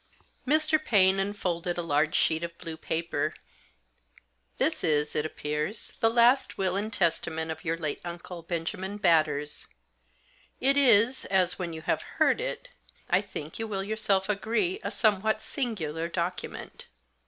Mr. Paine unfolded a large sheet of blue paper. " This is, it appears, the last will and testament of your late uncle, Benjamin Batters. It is, as, when you have heard it, I think you will yourself agree, a somewhat singular document.